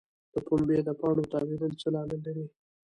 د پنبې د پاڼو تاویدل څه لامل لري؟